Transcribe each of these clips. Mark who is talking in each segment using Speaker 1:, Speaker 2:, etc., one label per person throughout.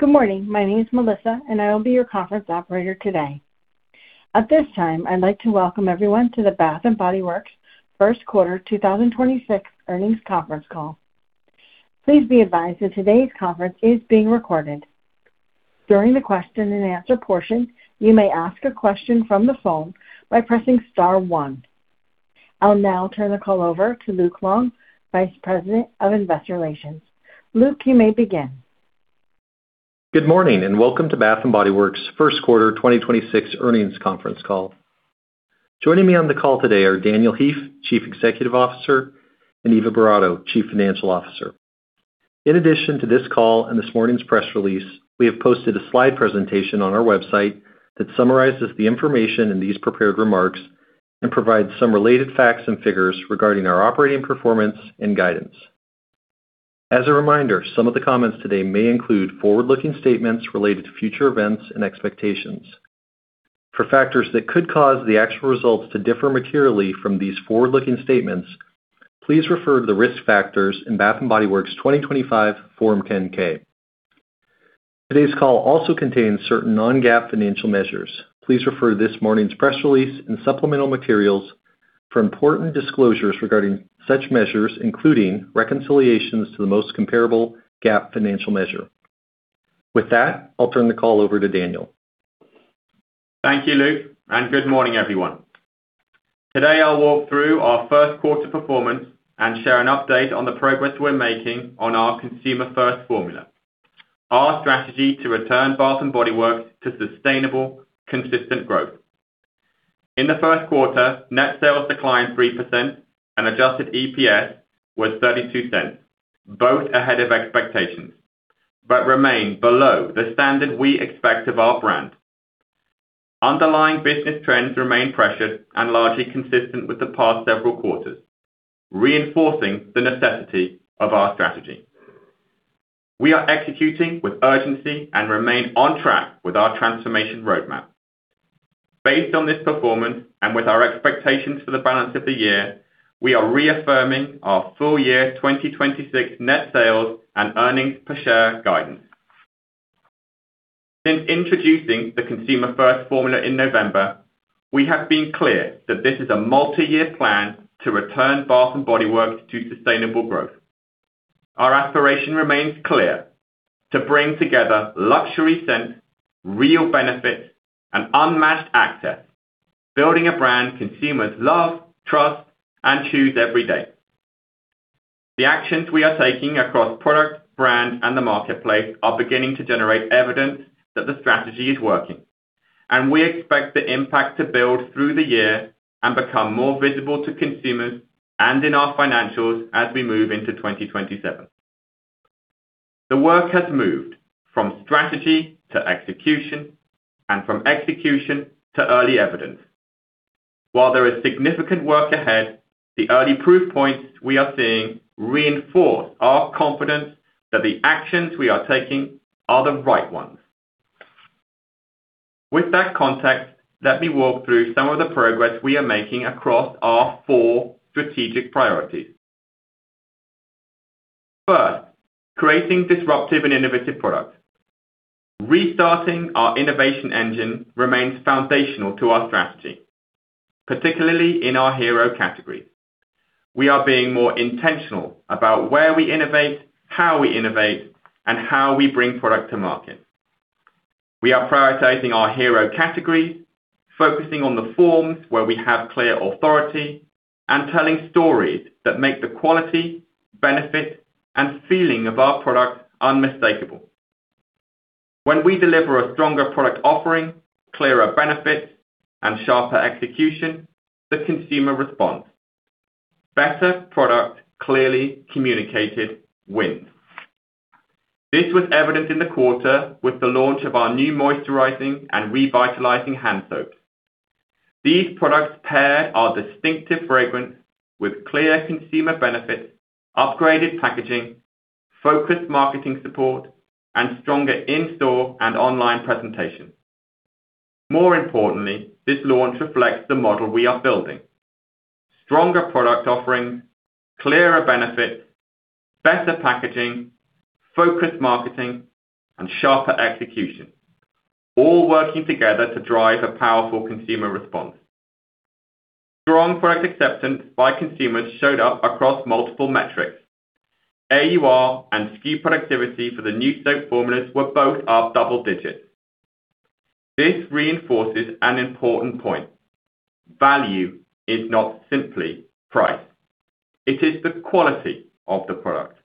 Speaker 1: Good morning. My name is Melissa, and I will be your conference operator today. At this time, I'd like to welcome everyone to the Bath & Body Works first quarter 2026 earnings conference call. Please be advised that today's conference is being recorded. During the question and answer portion, you may ask a question from the phone by pressing star one. I'll now turn the call over to Luke Long, Vice President of Investor Relations. Luke, you may begin.
Speaker 2: Good morning, welcome to Bath & Body Works' first quarter 2026 earnings conference call. Joining me on the call today are Daniel Heaf, Chief Executive Officer, and Eva Boratto, Chief Financial Officer. In addition to this call and this morning's press release, we have posted a slide presentation on our website that summarizes the information in these prepared remarks and provides some related facts and figures regarding our operating performance and guidance. As a reminder, some of the comments today may include forward-looking statements related to future events and expectations. For factors that could cause the actual results to differ materially from these forward-looking statements, please refer to the risk factors in Bath & Body Works 2025 Form 10-K. Today's call also contains certain non-GAAP financial measures. Please refer to this morning's press release and supplemental materials for important disclosures regarding such measures, including reconciliations to the most comparable GAAP financial measure. With that, I'll turn the call over to Daniel.
Speaker 3: Thank you, Luke, and good morning, everyone. Today, I'll walk through our first quarter performance and share an update on the progress we're making on our Consumer First Formula, our strategy to return Bath & Body Works to sustainable, consistent growth. In the first quarter, net sales declined 3% and adjusted EPS was $0.32, both ahead of expectations, but remain below the standard we expect of our brand. Underlying business trends remain pressured and largely consistent with the past several quarters, reinforcing the necessity of our strategy. We are executing with urgency and remain on track with our transformation roadmap. Based on this performance and with our expectations for the balance of the year, we are reaffirming our full year 2026 net sales and earnings per share guidance. Since introducing the Consumer First Formula in November, we have been clear that this is a multi-year plan to return Bath & Body Works to sustainable growth. Our aspiration remains clear, to bring together luxury scents, real benefits, and unmatched access, building a brand consumers love, trust, and choose every day. The actions we are taking across product, brand, and the marketplace are beginning to generate evidence that the strategy is working, and we expect the impact to build through the year and become more visible to consumers and in our financials as we move into 2027. The work has moved from strategy to execution and from execution to early evidence. While there is significant work ahead, the early proof points we are seeing reinforce our confidence that the actions we are taking are the right ones. With that context, let me walk through some of the progress we are making across our four strategic priorities. First, creating disruptive and innovative products. Restarting our innovation engine remains foundational to our strategy, particularly in our hero categories. We are being more intentional about where we innovate, how we innovate, and how we bring product to market. We are prioritizing our hero categories, focusing on the forms where we have clear authority, and telling stories that make the quality, benefit, and feeling of our products unmistakable. When we deliver a stronger product offering, clearer benefits, and sharper execution, the consumer responds. Better product clearly communicated wins. This was evident in the quarter with the launch of our new moisturizing and revitalizing hand soaps. These products paired our distinctive fragrance with clear consumer benefits, upgraded packaging, focused marketing support, and stronger in-store and online presentation. More importantly, this launch reflects the model we are building. Stronger product offerings, clearer benefits, better packaging, focused marketing, and sharper execution, all working together to drive a powerful consumer response. Strong product acceptance by consumers showed up across multiple metrics. AUR and SKU productivity for the new soap formulas were both up double digits. This reinforces an important point. Value is not simply price. It is the quality of the product,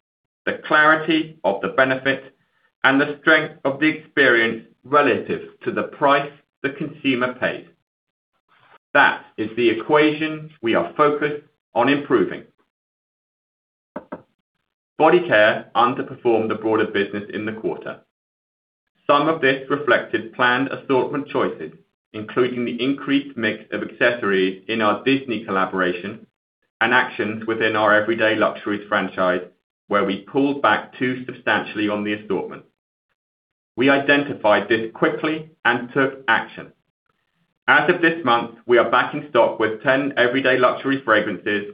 Speaker 3: the clarity of the benefit, and the strength of the experience relative to the price the consumer paid. That is the equation we are focused on improving. Body care underperformed the broader business in the quarter. Some of this reflected planned assortment choices, including the increased mix of accessories in our Disney collaboration and actions within our Everyday Luxuries franchise, where we pulled back too substantially on the assortment. We identified this quickly and took action. As of this month, we are back in stock with 10 Everyday Luxuries fragrances,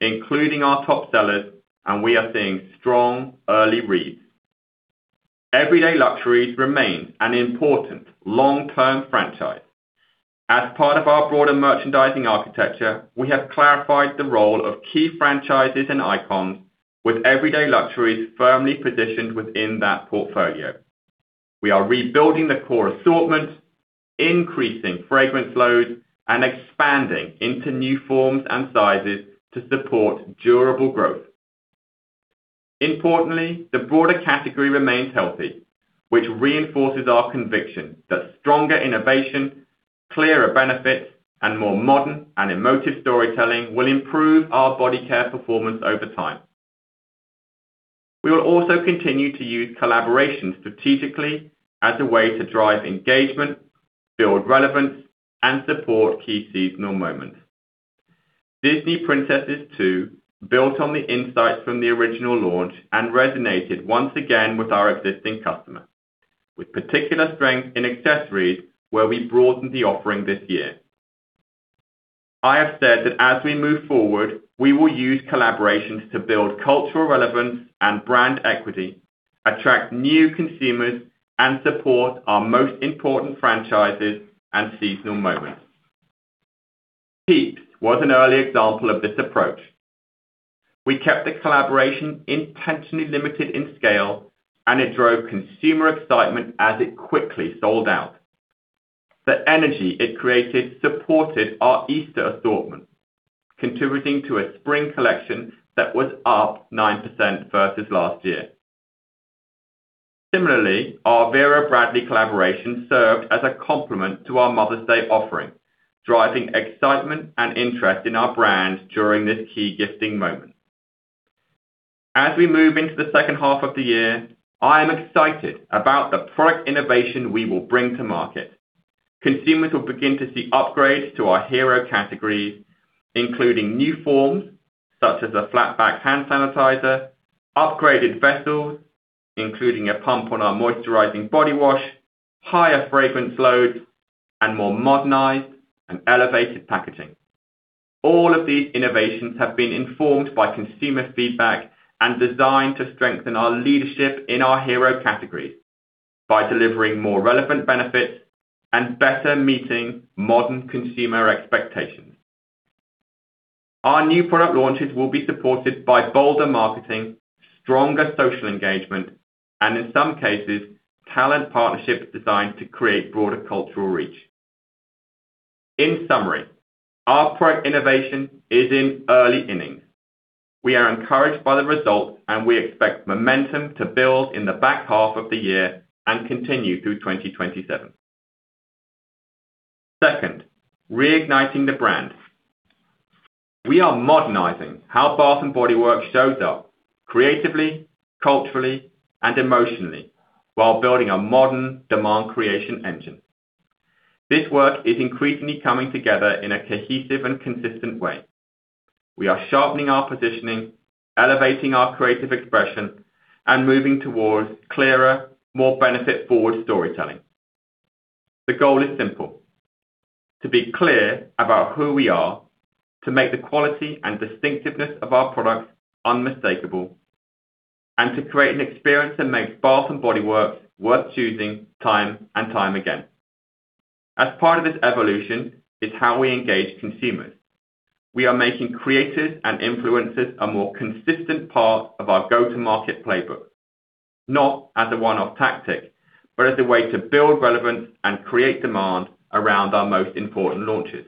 Speaker 3: including our top sellers, and we are seeing strong early reads. Everyday Luxuries remains an important long-term franchise. As part of our broader merchandising architecture, we have clarified the role of key franchises and icons with Everyday Luxuries firmly positioned within that portfolio. We are rebuilding the core assortment, increasing fragrance load, and expanding into new forms and sizes to support durable growth. Importantly, the broader category remains healthy, which reinforces our conviction that stronger innovation, clearer benefits, and more modern and emotive storytelling will improve our body care performance over time. We will also continue to use collaboration strategically as a way to drive engagement, build relevance, and support key seasonal moments. Disney Princess Collection built on the insights from the original launch and resonated once again with our existing customers, with particular strength in accessories where we broadened the offering this year. I have said that as we move forward, we will use collaborations to build cultural relevance and brand equity, attract new consumers, and support our most important franchises and seasonal moments. Peeps was an early example of this approach. We kept the collaboration intentionally limited in scale, and it drove consumer excitement as it quickly sold out. The energy it created supported our Easter assortment, contributing to a spring collection that was up 9% versus last year. Similarly, our Vera Bradley collaboration served as a complement to our Mother's Day offering, driving excitement and interest in our brand during this key gifting moment. As we move into the second half of the year, I am excited about the product innovation we will bring to market. Consumers will begin to see upgrades to our hero categories, including new forms such as a flat-back hand sanitizer, upgraded vessels, including a pump on our moisturizing body wash, higher fragrance loads, and more modernized and elevated packaging. All of these innovations have been informed by consumer feedback and designed to strengthen our leadership in our hero categories by delivering more relevant benefits and better meeting modern consumer expectations. Our new product launches will be supported by bolder marketing, stronger social engagement, and in some cases, talent partnerships designed to create broader cultural reach. In summary, our product innovation is in its early innings. We are encouraged by the result, and we expect momentum to build in the back half of the year and continue through 2027. Second, reigniting the brand. We are modernizing how Bath & Body Works shows up creatively, culturally, and emotionally while building a modern demand creation engine. This work is increasingly coming together in a cohesive and consistent way. We are sharpening our positioning, elevating our creative expression, and moving towards clearer, more benefit-forward storytelling. The goal is simple: to be clear about who we are, to make the quality and distinctiveness of our products unmistakable, and to create an experience that makes Bath & Body Works worth choosing time and time again. As part of this evolution is how we engage consumers. We are making creators and influencers a more consistent part of our go-to-market playbook, not as a one-off tactic, but as a way to build relevance and create demand around our most important launches.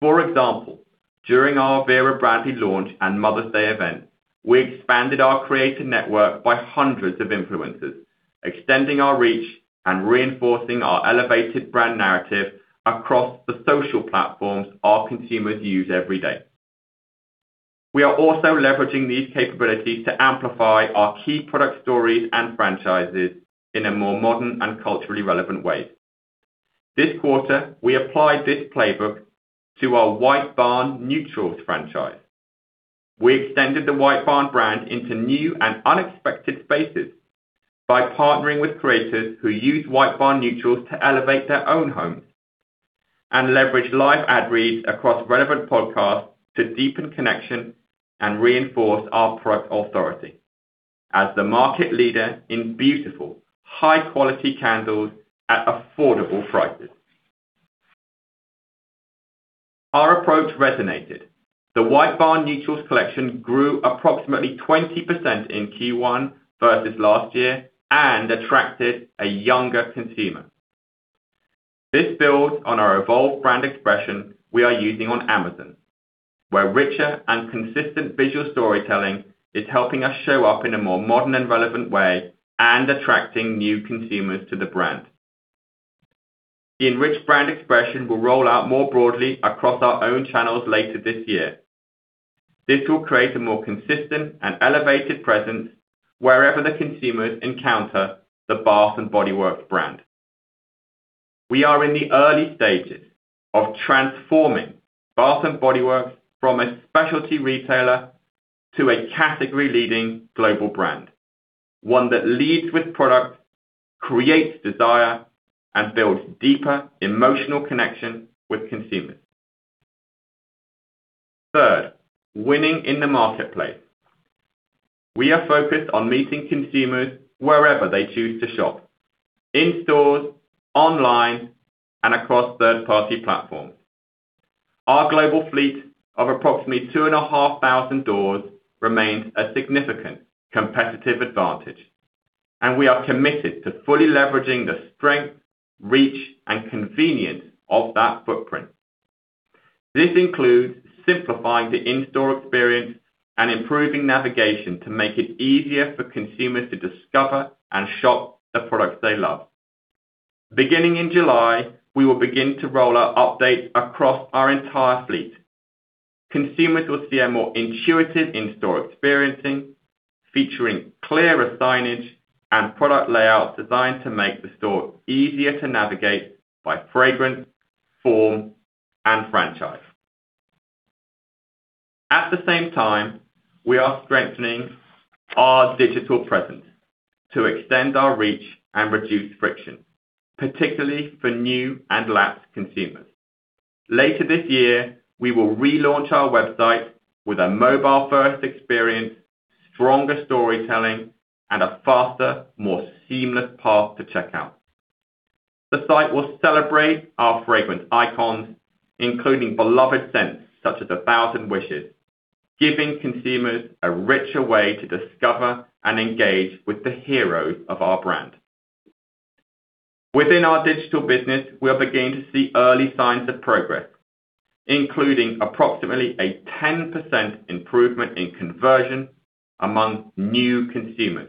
Speaker 3: For example, during our Vera Bradley launch and Mother's Day event, we expanded our creator network by hundreds of influencers, extending our reach and reinforcing our elevated brand narrative across the social platforms our consumers use every day. We are also leveraging these capabilities to amplify our key product stories and franchises in a more modern and culturally relevant way. This quarter, we applied this playbook to our White Barn Neutrals franchise. We extended the White Barn brand into new and unexpected spaces by partnering with creators who use White Barn Neutrals to elevate their own homes and leverage live ad reads across relevant podcasts to deepen connection and reinforce our product authority as the market leader in beautiful, high-quality candles at affordable prices. Our approach resonated. The White Barn Neutrals collection grew approximately 20% in Q1 versus last year and attracted a younger consumer. This builds on our evolved brand expression we are using on Amazon, where richer and consistent visual storytelling is helping us show up in a more modern and relevant way and attracting new consumers to the brand. The enriched brand expression will roll out more broadly across our own channels later this year. This will create a more consistent and elevated presence wherever the consumers encounter the Bath & Body Works brand. We are in the early stages of transforming Bath & Body Works from a specialty retailer to a category-leading global brand. One that leads with product, creates desire, and builds deeper emotional connection with consumers. Third, winning in the marketplace. We are focused on meeting consumers wherever they choose to shop, in stores, online, and across third-party platforms. Our global fleet of approximately 2,500 stores remains a significant competitive advantage, and we are committed to fully leveraging the strength, reach, and convenience of that footprint. This includes simplifying the in-store experience and improving navigation to make it easier for consumers to discover and shop the products they love. Beginning in July, we will begin to roll out updates across our entire fleet. Consumers will see a more intuitive in-store experience, featuring clearer signage and product layouts designed to make the store easier to navigate by fragrance, form, and franchise. At the same time, we are strengthening our digital presence to extend our reach and reduce friction, particularly for new and lapsed consumers. Later this year, we will relaunch our website with a mobile-first experience, stronger storytelling, and a faster, more seamless path to checkout. The site will celebrate our fragrance icons, including beloved scents such as A Thousand Wishes, giving consumers a richer way to discover and engage with the heroes of our brand. Within our digital business, we are beginning to see early signs of progress, including approximately a 10% improvement in conversion among new consumers.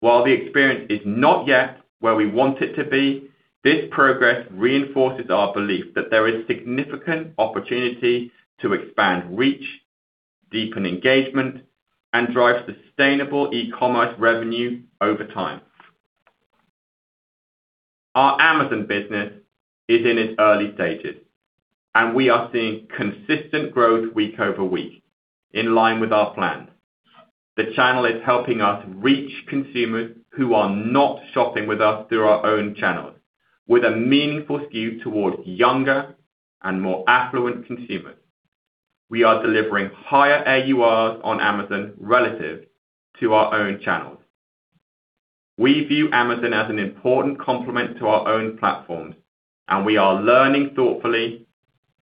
Speaker 3: While the experience is not yet where we want it to be, this progress reinforces our belief that there is significant opportunity to expand reach, deepen engagement, and drive sustainable e-commerce revenue over time. Our Amazon business is in its early stages, and we are seeing consistent growth week over week, in line with our plan. The channel is helping us reach consumers who are not shopping with us through our own channels, with a meaningful skew toward younger and more affluent consumers. We are delivering higher AURs on Amazon relative to our own channels. We view Amazon as an important complement to our own platforms, and we are learning thoughtfully,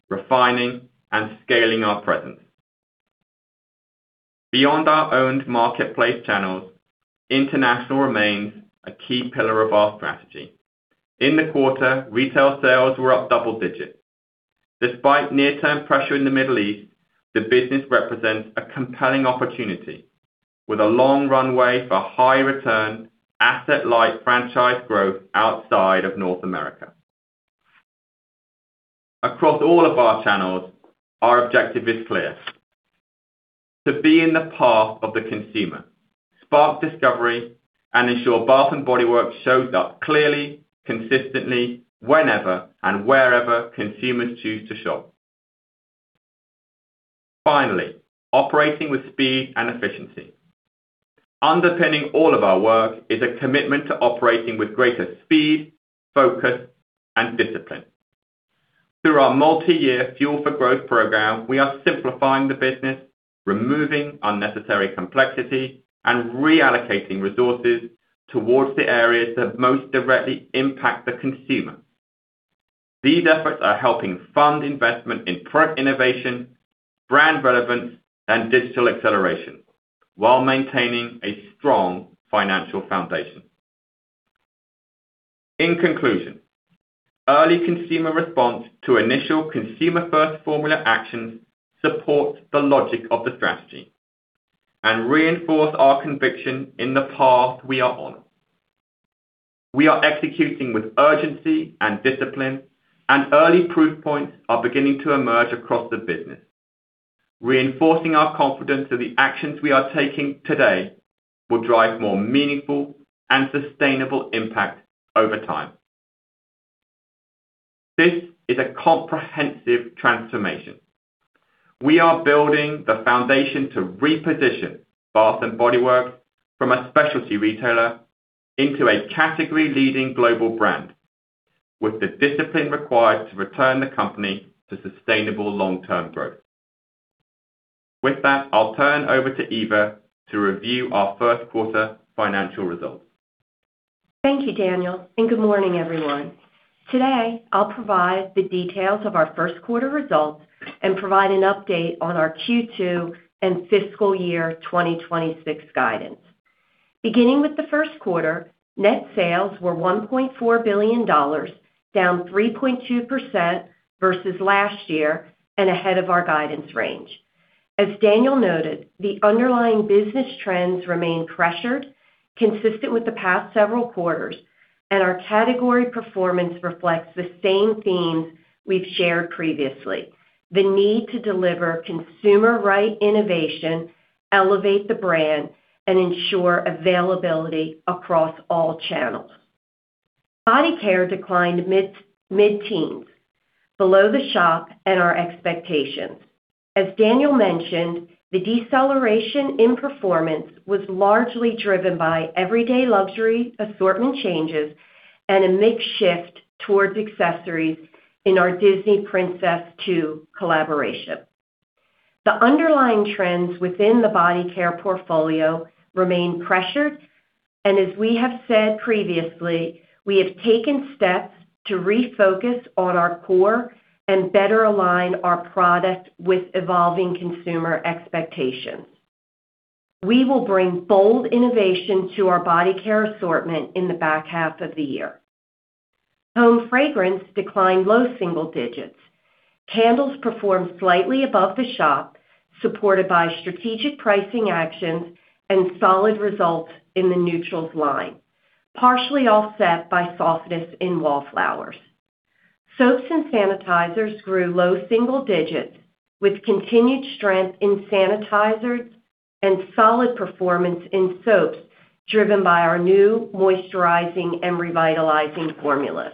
Speaker 3: refining, and scaling our presence. Beyond our owned marketplace channels, international remains a key pillar of our strategy. In the quarter, retail sales were up double digits. Despite near-term pressure in the Middle East, the business represents a compelling opportunity with a long runway for high return, asset-light franchise growth outside of North America. Across all of our channels, our objective is clear: to be in the path of the consumer, spark discovery, and ensure Bath & Body Works shows up clearly, consistently, whenever and wherever consumers choose to shop. Finally, operating with speed and efficiency. Underpinning all of our work is a commitment to operating with greater speed, focus, and discipline. Through our multi-year Fuel for Growth program, we are simplifying the business, removing unnecessary complexity, and reallocating resources towards the areas that most directly impact the consumer. These efforts are helping fund investment in product innovation, brand relevance, and digital acceleration while maintaining a strong financial foundation. In conclusion, early consumer response to initial Consumer First Formula actions support the logic of the strategy and reinforce our conviction in the path we are on. We are executing with urgency and discipline, and early proof points are beginning to emerge across the business, reinforcing our confidence that the actions we are taking today will drive more meaningful and sustainable impact over time. This is a comprehensive transformation. We are building the foundation to reposition Bath & Body Works from a specialty retailer into a category-leading global brand with the discipline required to return the company to sustainable long-term growth. With that, I'll turn over to Eva to review our first quarter financial results.
Speaker 4: Thank you, Daniel, and good morning, everyone. Today, I'll provide the details of our first quarter results and provide an update on our Q2 and fiscal year 2026 guidance. Beginning with the first quarter, net sales were $1.4 billion, down 3.2% versus last year and ahead of our guidance range. As Daniel noted, the underlying business trends remain pressured, consistent with the past several quarters, and our category performance reflects the same themes we've shared previously, the need to deliver consumer-right innovation, elevate the brand, and ensure availability across all channels. Body care declined mid-teens, below the shop and our expectations. As Daniel mentioned, the deceleration in performance was largely driven by Everyday Luxuries assortment changes and a mix shift towards accessories in our Disney Princess Collection collaboration. The underlying trends within the body care portfolio remain pressured, and as we have said previously, we have taken steps to refocus on our core and better align our product with evolving consumer expectations. We will bring bold innovation to our body care assortment in the back half of the year. Home fragrance declined low single digits. Candles performed slightly above the shop, supported by strategic pricing actions and solid results in the neutrals line, partially offset by softness in Wallflowers. Soaps and sanitizers grew low single digits, with continued strength in sanitizers and solid performance in soaps, driven by our new moisturizing and revitalizing formulas.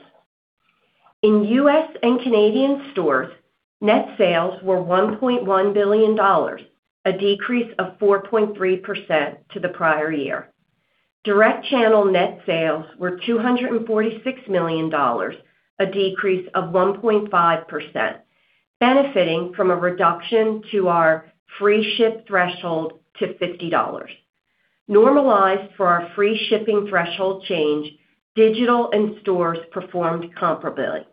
Speaker 4: In U.S. and Canadian stores, net sales were $1.1 billion, a decrease of 4.3% to the prior year. Direct channel net sales were $246 million, a decrease of 1.5%, benefiting from a reduction to our free ship threshold to $50. Normalized for our free shipping threshold change, digital and stores performed comparably.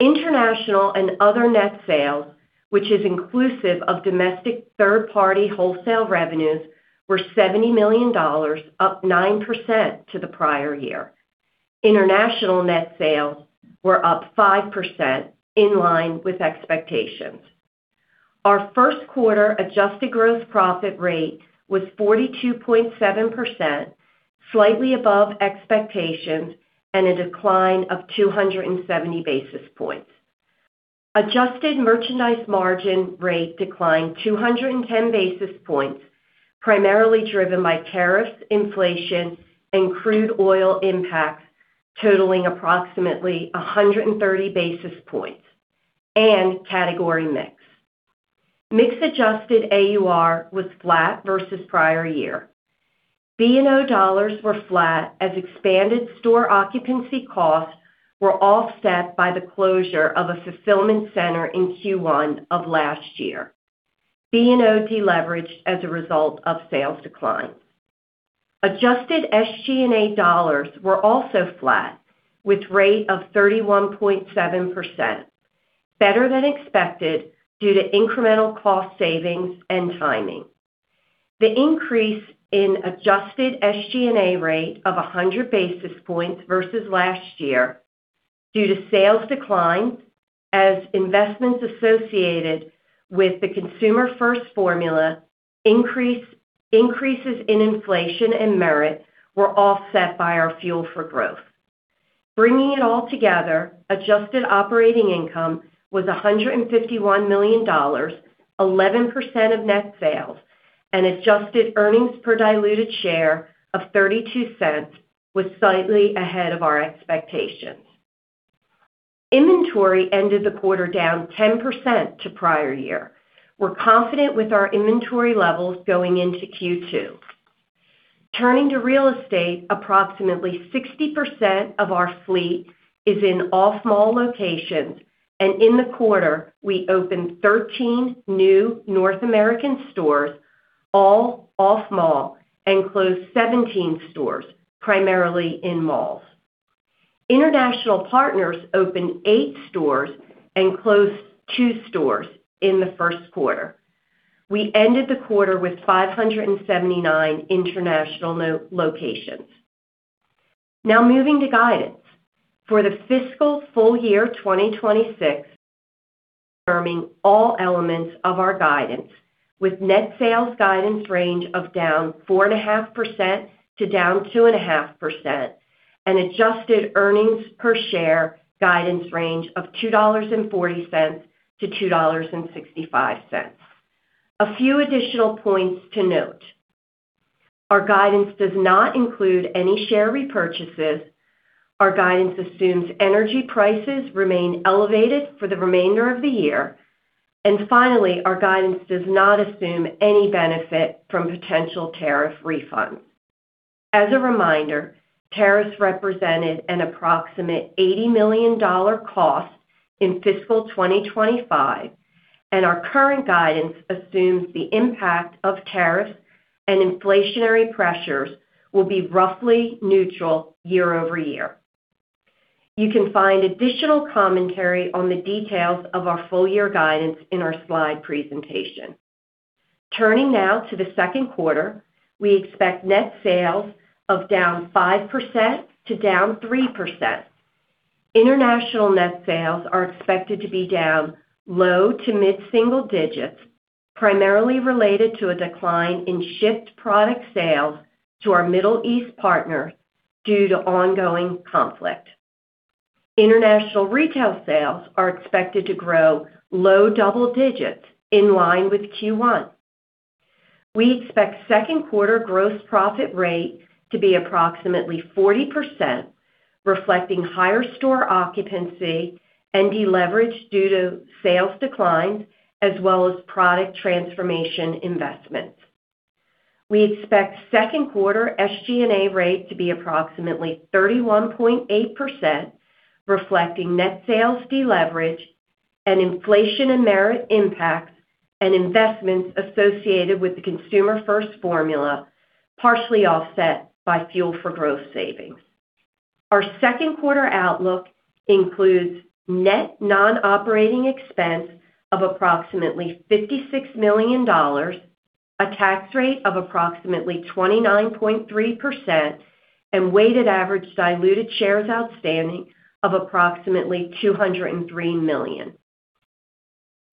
Speaker 4: International and other net sales, which is inclusive of domestic third-party wholesale revenues, were $70 million, up 9% to the prior year. International net sales were up 5%, in line with expectations. Our first quarter adjusted gross profit rate was 42.7%, slightly above expectations and a decline of 270 basis points. Adjusted merchandise margin rate declined 210 basis points, primarily driven by tariffs, inflation, and crude oil impacts totaling approximately 130 basis points, and category mix. Mix adjusted AUR was flat versus prior year. B&O dollars were flat as expanded store occupancy costs were offset by the closure of a fulfillment center in Q1 of last year. B&O deleveraged as a result of sales declines. Adjusted SG&A dollars were also flat, with rate of 31.7%, better than expected due to incremental cost savings and timing. The increase in adjusted SGA rate of 100 basis points versus last year due to sales decline as investments associated with the Consumer First Formula, increases in inflation and merit were offset by our Fuel for Growth. Bringing it all together, adjusted operating income was $151 million, 11% of net sales, and adjusted earnings per diluted share of $0.32 was slightly ahead of our expectations. Inventory ended the quarter down 10% to prior year. We're confident with our inventory levels going into Q2. Turning to real estate, approximately 60% of our fleet is in off-mall locations, and in the quarter, we opened 13 new North American stores, all off-mall, and closed 17 stores, primarily in malls. International partners opened eight stores and closed 2 stores in the first quarter. We ended the quarter with 579 international locations. Now moving to guidance. For the fiscal full year 2026, affirming all elements of our guidance with net sales guidance range of down 4.5% to down 2.5% and adjusted EPS guidance range of $2.40-$2.65. A few additional points to note. Our guidance does not include any share repurchases. Our guidance assumes energy prices remain elevated for the remainder of the year. Finally, our guidance does not assume any benefit from potential tariff refunds. As a reminder, tariffs represented an approximate $80 million cost in fiscal 2025, and our current guidance assumes the impact of tariffs and inflationary pressures will be roughly neutral year-over-year. You can find additional commentary on the details of our full year guidance in our slide presentation. Turning now to the second quarter, we expect net sales of down 5% to down 3%. International net sales are expected to be down low to mid single digits, primarily related to a decline in shipped product sales to our Middle East partners due to ongoing conflict. International retail sales are expected to grow low double digits in line with Q1. We expect second quarter gross profit rate to be approximately 40%, reflecting higher store occupancy and deleverage due to sales declines as well as product transformation investments. We expect second quarter SG&A rate to be approximately 31.8%, reflecting net sales deleverage and inflation and merit impacts and investments associated with the Consumer First Formula, partially offset by Fuel for Growth savings. Our second quarter outlook includes net non-operating expense of approximately $56 million, a tax rate of approximately 29.3%, and weighted average diluted shares outstanding of approximately 203 million.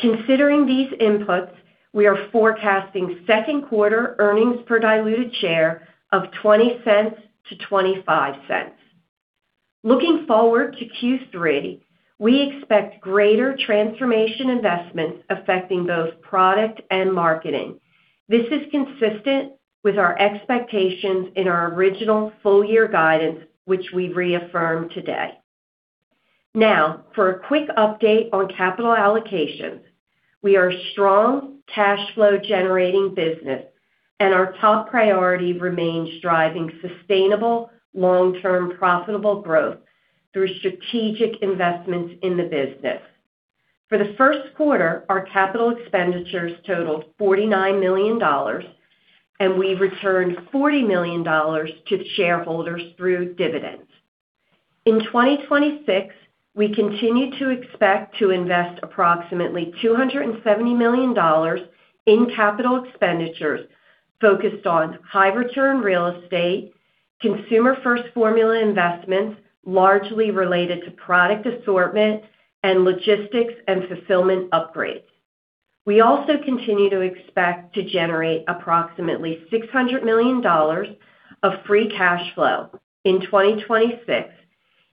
Speaker 4: Considering these inputs, we are forecasting second quarter earnings per diluted share of $0.20 to $0.25. Looking forward to Q3, we expect greater transformation investments affecting both product and marketing. This is consistent with our expectations in our original full year guidance, which we've reaffirmed today. Now, for a quick update on capital allocations. We are a strong cash flow generating business, and our top priority remains driving sustainable long-term profitable growth through strategic investments in the business. For the first quarter, our capital expenditures totaled $49 million, and we returned $40 million to shareholders through dividends. In 2026, we continue to expect to invest approximately $270 million in capital expenditures focused on high return real estate, Consumer First Formula investments, largely related to product assortment and logistics and fulfillment upgrades. We also continue to expect to generate approximately $600 million of free cash flow in 2026,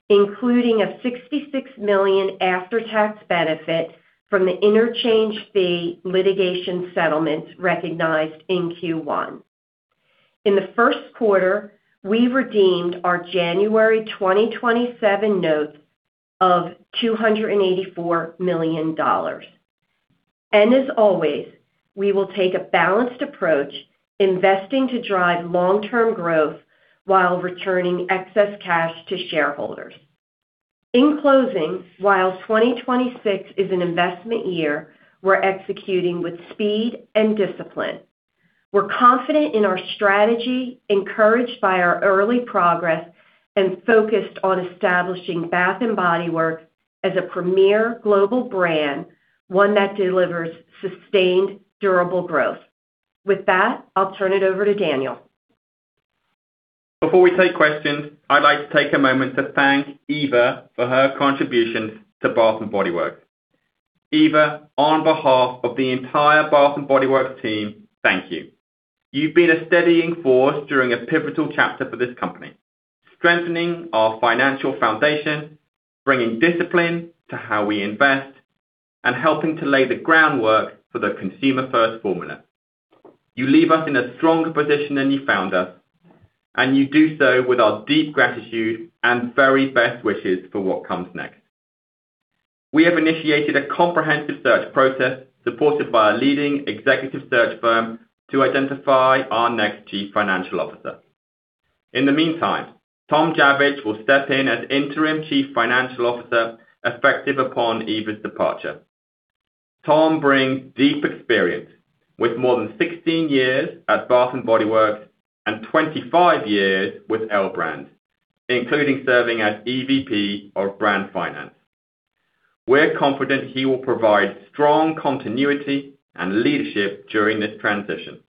Speaker 4: including a $66 million after-tax benefit from the interchange fee litigation settlement recognized in Q1. In the first quarter, we redeemed our January 2027 notes of $284 million. As always, we will take a balanced approach, investing to drive long-term growth while returning excess cash to shareholders. In closing, while 2026 is an investment year, we're executing with speed and discipline. We're confident in our strategy, encouraged by our early progress, and focused on establishing Bath & Body Works as a premier global brand, one that delivers sustained, durable growth. With that, I'll turn it over to Daniel.
Speaker 3: Before we take questions, I'd like to take a moment to thank Eva for her contributions to Bath & Body Works. Eva, on behalf of the entire Bath & Body Works team, thank you. You've been a steadying force during a pivotal chapter for this company, strengthening our financial foundation, bringing discipline to how we invest, and helping to lay the groundwork for the Consumer First Formula. You leave us in a stronger position than you found us, and you do so with our deep gratitude and very best wishes for what comes next. We have initiated a comprehensive search process supported by a leading executive search firm to identify our next Chief Financial Officer. In the meantime, Tom Javitch will step in as interim Chief Financial Officer effective upon Eva's departure. Tom brings deep experience with more than 16 years at Bath & Body Works and 25 years with L Brands, including serving as EVP of Brand Finance. We're confident he will provide strong continuity and leadership during this transition.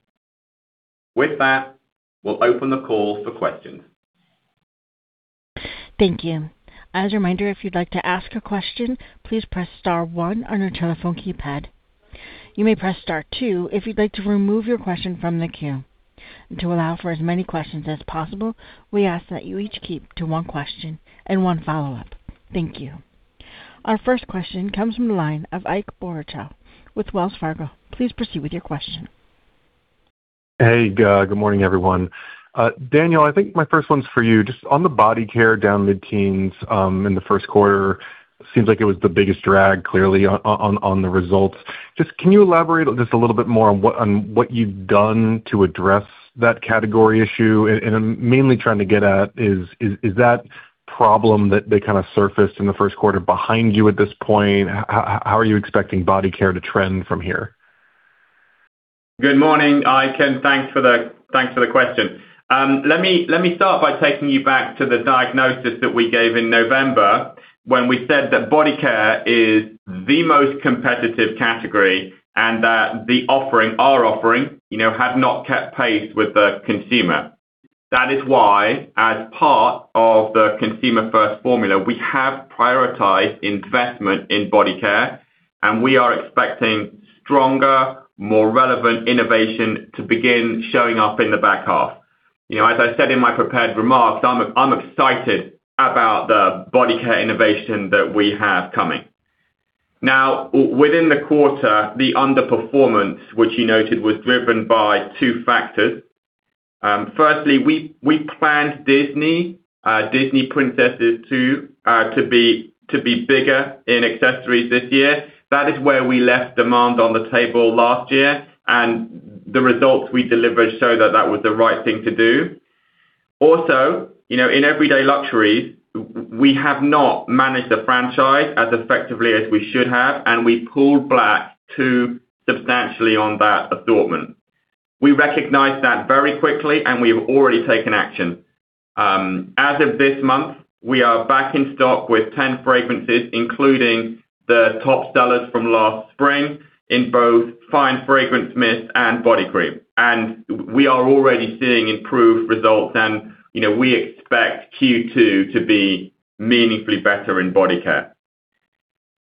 Speaker 3: With that, we'll open the call for questions.
Speaker 1: Thank you. As a reminder, if you'd like to ask a question, please press star one on your telephone keypad. You may press star two if you'd like to remove your question from the queue. And to allow for as many questions as possible, we ask that you each keep to one question and one follow-up. Thank you. Our first question comes from the line of Ike Boruchow with Wells Fargo. Please proceed with your question.
Speaker 5: Hey, good morning, everyone. Daniel, I think my first one's for you. Just on the body care down mid-teens in the first quarter, seems like it was the biggest drag clearly on the results. Just can you elaborate just a little bit more on what you've done to address that category issue? I'm mainly trying to get at is that problem that kind of surfaced in the first quarter behind you at this point? How are you expecting body care to trend from here?
Speaker 3: Good morning, Ike. Thanks for the question. Let me start by taking you back to the diagnosis that we gave in November when we said that body care is the most competitive category and that our offering had not kept pace with the consumer. That is why, as part of the Consumer First Formula, we have prioritized investment in body care, and we are expecting stronger, more relevant innovation to begin showing up in the back half. As I said in my prepared remarks, I'm excited about the body care innovation that we have coming. Now, within the quarter, the underperformance which you noted was driven by two factors. Firstly, we planned Disney Princesses 2 to be bigger in accessories this year. That is where we left demand on the table last year, and the results we delivered show that that was the right thing to do. In Everyday Luxuries, we have not managed the franchise as effectively as we should have, and we pulled back too substantially on that assortment. We recognized that very quickly, we've already taken action. As of this month, we are back in stock with 10 fragrances, including the top sellers from last spring in both fine fragrance mist and body cream. We are already seeing improved results and we expect Q2 to be meaningfully better in body care.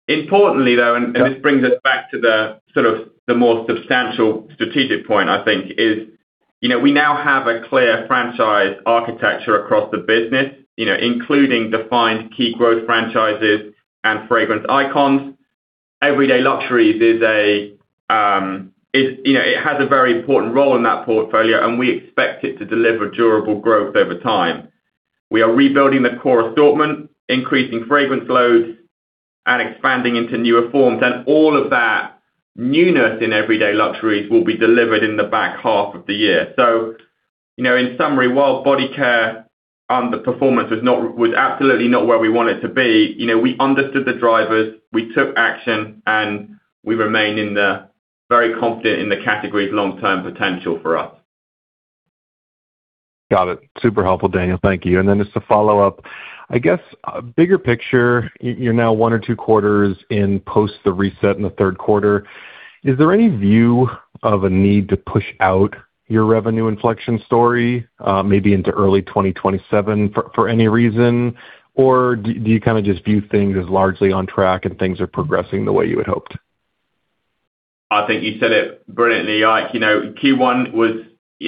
Speaker 3: Importantly, though, this brings us back to the more substantial strategic point, I think is, we now have a clear franchise architecture across the business, including defined key growth franchises and fragrance icons. Everyday Luxuries, it has a very important role in that portfolio, and we expect it to deliver durable growth over time. We are rebuilding the core assortment, increasing fragrance loads, and expanding into newer forms. All of that newness in Everyday Luxuries will be delivered in the back half of the year. In summary, while body care underperformance was absolutely not where we want it to be, we understood the drivers, we took action, and we remain very confident in the category's long-term potential for us.
Speaker 5: Got it. Super helpful, Daniel. Thank you. Just to follow up, I guess, bigger picture, you're now one or two quarters in post the reset in the third quarter. Is there any view of a need to push out your revenue inflection story, maybe into early 2027 for any reason? Do you kind of just view things as largely on track and things are progressing the way you had hoped?
Speaker 3: I think you said it brilliantly, Ike. Q1 was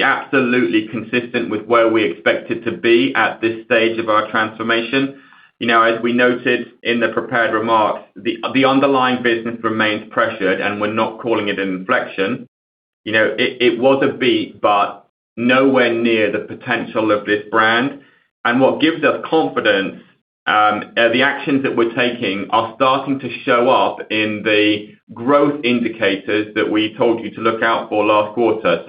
Speaker 3: absolutely consistent with where we expected to be at this stage of our transformation. As we noted in the prepared remarks, the underlying business remains pressured, and we're not calling it an inflection. It was a beat, but nowhere near the potential of this brand. What gives us confidence, the actions that we're taking are starting to show up in the growth indicators that we told you to look out for last quarter.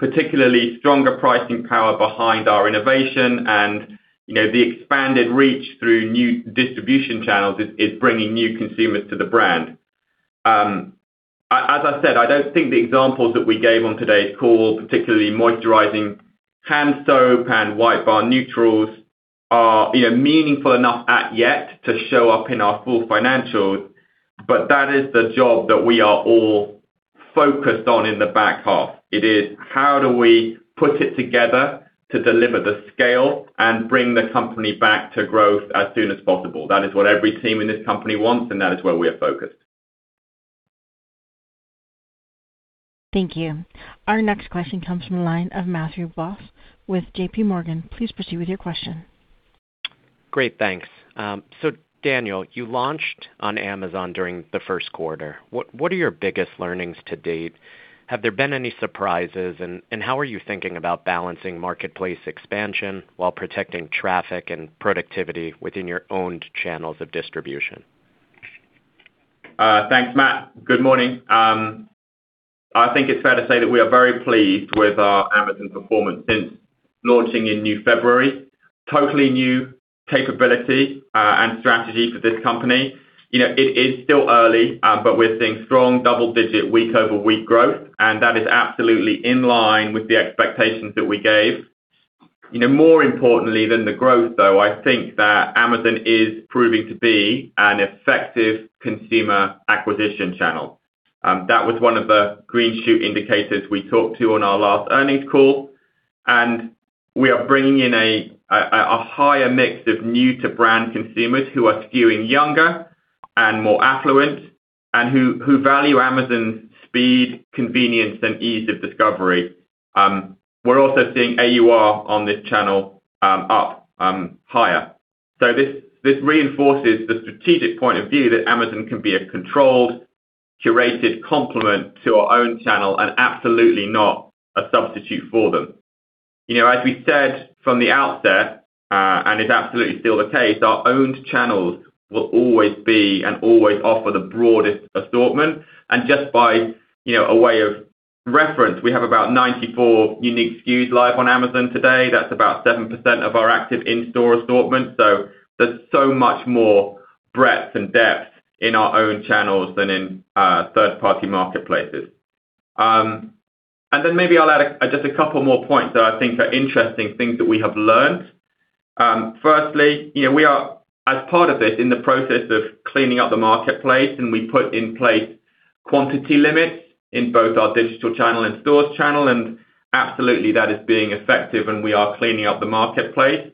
Speaker 3: Particularly stronger pricing power behind our innovation and the expanded reach through new distribution channels is bringing new consumers to the brand. As I said, I don't think the examples that we gave on today's call, particularly moisturizing hand soap and White Barn Neutrals are meaningful enough at yet to show up in our full financials. That is the job that we are all focused on in the back half. It is how do we put it together to deliver the scale and bring the company back to growth as soon as possible? That is what every team in this company wants, and that is where we are focused.
Speaker 1: Thank you. Our next question comes from the line of Matthew Boss with JPMorgan. Please proceed with your question.
Speaker 6: Great. Thanks. Daniel, you launched on Amazon during the first quarter. What are your biggest learnings to date? Have there been any surprises, and how are you thinking about balancing marketplace expansion while protecting traffic and productivity within your owned channels of distribution?
Speaker 3: Thanks, Matt. Good morning. I think it's fair to say that we are very pleased with our Amazon performance since launching in February. Totally new capability and strategy for this company. It is still early, but we're seeing strong double-digit week-over-week growth. That is absolutely in line with the expectations that we gave. More importantly than the growth, though, I think that Amazon is proving to be an effective consumer acquisition channel. That was one of the green shoot indicators we talked to on our last earnings call. We are bringing in a higher mix of new-to-brand consumers who are skewing younger and more affluent and who value Amazon's speed, convenience, and ease of discovery. We're also seeing AUR on this channel up higher. This reinforces the strategic point of view that Amazon can be a controlled, curated complement to our own channel and absolutely not a substitute for them. As we said from the outset, and it's absolutely still the case, our owned channels will always be and always offer the broadest assortment. Just by a way of reference, we have about 94 unique SKUs live on Amazon today. That's about 7% of our active in-store assortment. There's so much more breadth and depth in our own channels than in third-party marketplaces. Then maybe I'll add just a couple more points that I think are interesting things that we have learned. Firstly, we are, as part of this, in the process of cleaning up the marketplace, and we put in place quantity limits in both our digital channel and stores channel, and absolutely that is being effective and we are cleaning up the marketplace.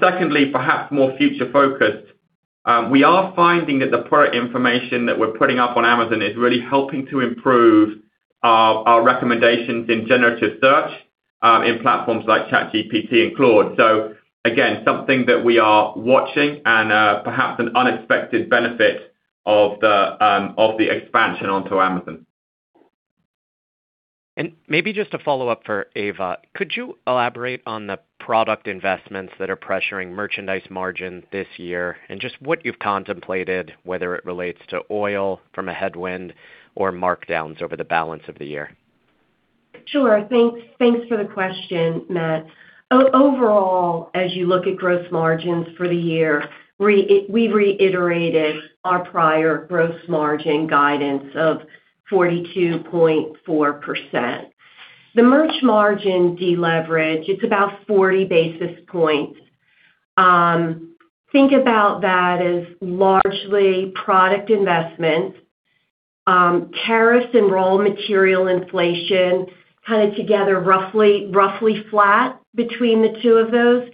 Speaker 3: Secondly, perhaps more future-focused, we are finding that the product information that we're putting up on Amazon is really helping to improve our recommendations in generative search in platforms like ChatGPT and Claude. Again, something that we are watching and perhaps an unexpected benefit of the expansion onto Amazon.
Speaker 6: Maybe just a follow-up for Eva, could you elaborate on the product investments that are pressuring merchandise margin this year and just what you've contemplated, whether it relates to oil from a headwind or markdowns over the balance of the year?
Speaker 4: Sure. Thanks for the question, Matt. Overall, as you look at gross margins for the year, we've reiterated our prior gross margin guidance of 42.4%. The merch margin deleverage, it's about 40 basis points. Think about that as largely product investments. Tariffs and raw material inflation together roughly flat between the two of those.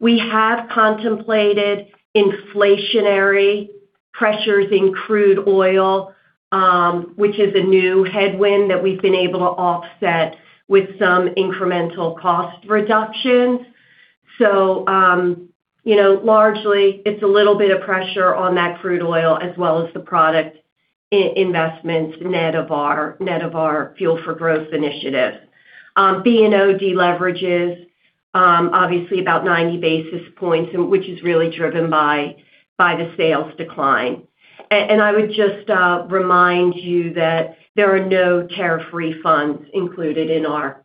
Speaker 4: We have contemplated inflationary pressures in crude oil, which is a new headwind that we've been able to offset with some incremental cost reductions. Largely, it's a little bit of pressure on that crude oil as well as the product investments net of our Fuel for Growth initiative. B&O deleverages, obviously, about 90 basis points, which is really driven by the sales decline. I would just remind you that there are no tariff refunds included in our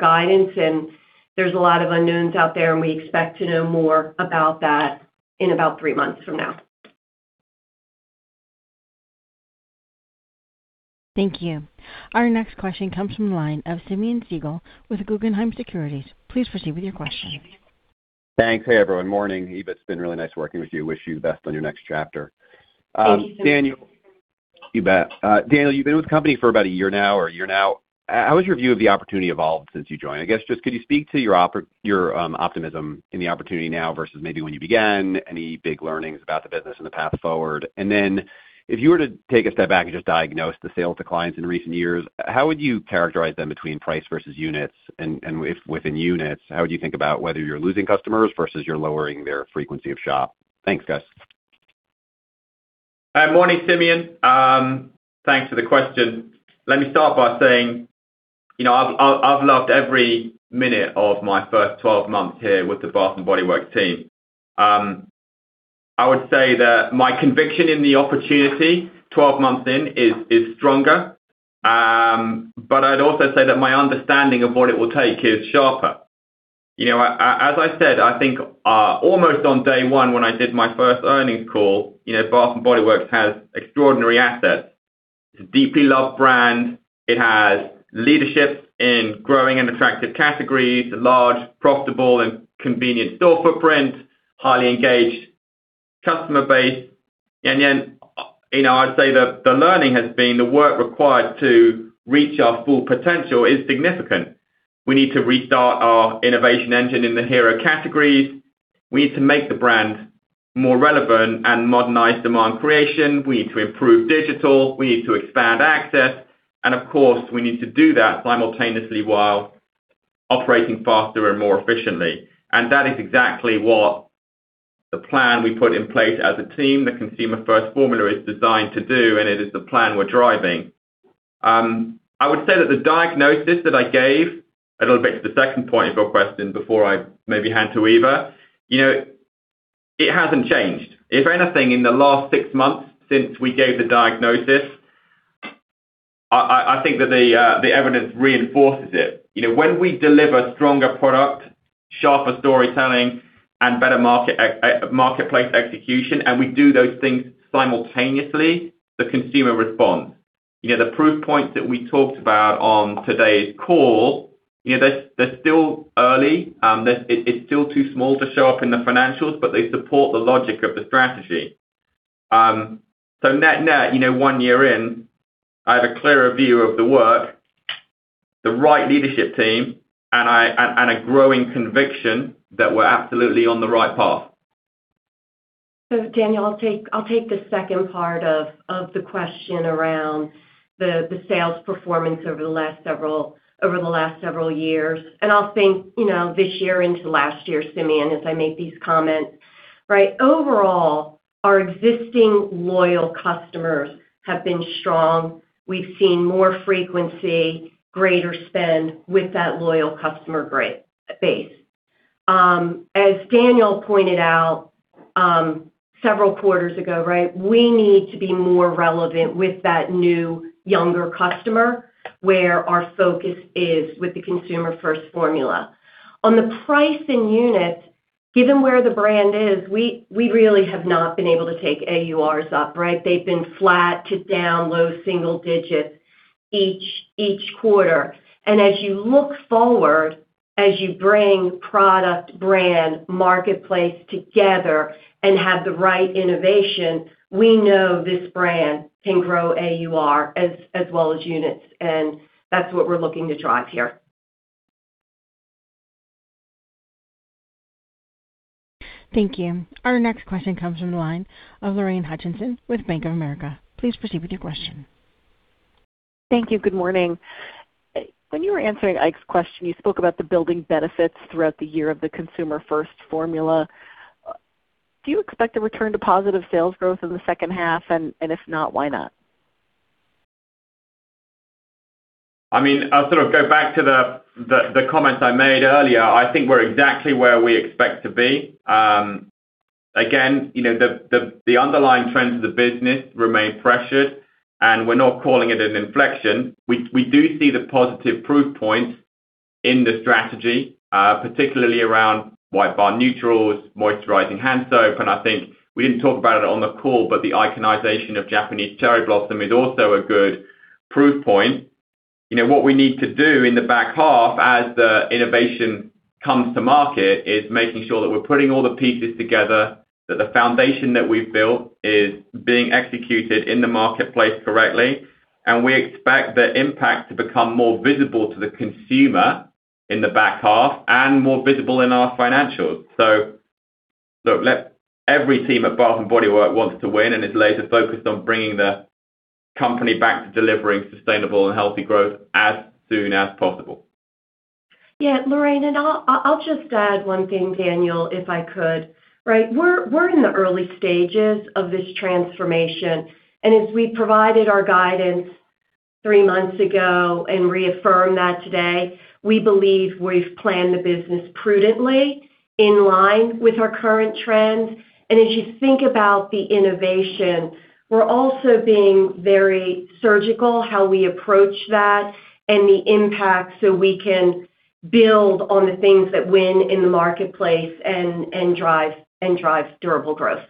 Speaker 4: guidance, and there's a lot of unknowns out there, and we expect to know more about that in about three months from now.
Speaker 1: Thank you. Our next question comes from the line of Simeon Siegel with Guggenheim Securities. Please proceed with your question.
Speaker 7: Thanks. Hey, everyone. Morning. Eva, it's been really nice working with you. Wish you the best on your next chapter.
Speaker 4: Thank you, Simeon.
Speaker 7: You bet. Daniel, you've been with the company for about a year now. How has your view of the opportunity evolved since you joined? I guess, could you speak to your optimism in the opportunity now versus maybe when you began, any big learnings about the business and the path forward? Then if you were to take a step back and just diagnose the sales declines in recent years, how would you characterize them between price versus units? Within units, how would you think about whether you're losing customers versus you're lowering their frequency of shop? Thanks, guys.
Speaker 3: Morning, Simeon. Thanks for the question. Let me start by saying, I've loved every minute of my first 12 months here with the Bath & Body Works team. I would say that my conviction in the opportunity 12 months in is stronger. I'd also say that my understanding of what it will take is sharper. As I said, I think, almost on day one when I did my first earnings call, Bath & Body Works has extraordinary assets. It's a deeply loved brand. It has leadership in growing and attractive categories, a large profitable and convenient store footprint, highly engaged customer base. I'd say the learning has been the work required to reach our full potential is significant. We need to restart our innovation engine in the hero categories. We need to make the brand more relevant and modernize demand creation. We need to improve digital. We need to expand access. Of course, we need to do that simultaneously while operating faster and more efficiently. That is exactly what the plan we put in place as a team, the Consumer First Formula, is designed to do, and it is the plan we're driving. I would say that the diagnosis that I gave, a little bit to the second point of your question before I maybe hand to Eva, it hasn't changed. If anything, in the last six months since we gave the diagnosis, I think that the evidence reinforces it. When we deliver stronger product, sharper storytelling, and better marketplace execution, and we do those things simultaneously, the consumer responds. The proof points that we talked about on today's call, they're still early. It's still too small to show up in the financials, but they support the logic of the strategy. Net-net, one year in, I have a clearer view of the work, the right leadership team, and a growing conviction that we're absolutely on the right path.
Speaker 4: Daniel, I'll take the second part of the question around the sales performance over the last several years. I'll think this year into last year, Simeon, as I make these comments. Overall, our existing loyal customers have been strong. We've seen more frequency, greater spend with that loyal customer base. As Daniel pointed out, several quarters ago, we need to be more relevant with that new, younger customer, where our focus is with the Consumer First Formula. On the pricing units, given where the brand is, we really have not been able to take AURs up. They've been flat to down low single digits each quarter. As you look forward, as you bring product, brand, marketplace together and have the right innovation, we know this brand can grow AUR as well as units, and that's what we're looking to drive here.
Speaker 1: Thank you. Our next question comes from the line of Lorraine Hutchinson with Bank of America. Please proceed with your question.
Speaker 8: Thank you. Good morning. When you were answering Ike's question, you spoke about the building benefits throughout the year of the Consumer First Formula. Do you expect a return to positive sales growth in the second half? If not, why not?
Speaker 3: I'll go back to the comments I made earlier. I think we're exactly where we expect to be. Again, the underlying trends of the business remain pressured, and we're not calling it an inflection. We do see the positive proof points in the strategy, particularly around White Barn Neutrals, moisturizing hand soap. I think we didn't talk about it on the call, the iconization of Japanese Cherry Blossom is also a good proof point. What we need to do in the back half as the innovation comes to market, is making sure that we're putting all the pieces together, that the foundation that we've built is being executed in the marketplace correctly. We expect the impact to become more visible to the consumer in the back half and more visible in our financials. Every team at Bath & Body Works wants to win and is laser-focused on bringing the company back to delivering sustainable and healthy growth as soon as possible.
Speaker 4: Yeah, Lorraine, I'll just add one thing, Daniel, if I could. We're in the early stages of this transformation, and as we provided our guidance three months ago and reaffirm that today, we believe we've planned the business prudently in line with our current trends. As you think about the innovation, we're also being very surgical how we approach that and the impact, so we can build on the things that win in the marketplace and drive durable growth.